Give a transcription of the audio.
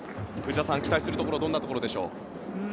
内田さん、期待するところどんなところでしょう。